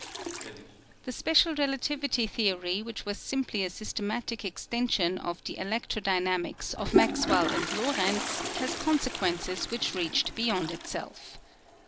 The special relativity theory which was simply a systematic extension of the electro dynamics of Maxwell and Lorentz, had conse quences which reached beyond itself.